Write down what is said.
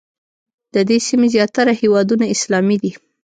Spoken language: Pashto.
د دې سیمې زیاتره هېوادونه اسلامي دي.